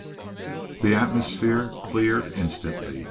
The atmosphere cleared instantly.